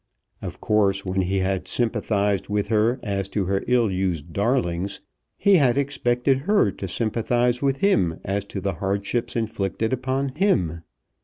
Of course when he had sympathized with her as to her ill used darlings he had expected her to sympathize with him as to the hardships inflicted upon him.